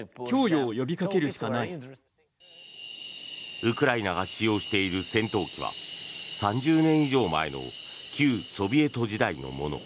ウクライナが使用している戦闘機は３０年以上前の旧ソビエト時代のもの。